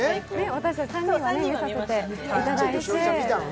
私たち３人は見させていただいて。